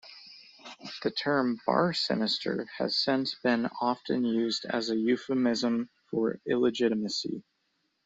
The term "bar sinister" has since been often used as a euphemism for illegitimacy.